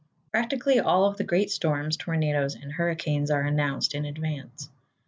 Practically all of the great storms, tornadoes, and hurricanes are announced in advance.